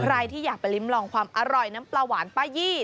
ใครที่อยากไปริ้มลองความอร่อยน้ำปลาหวานป้ายี่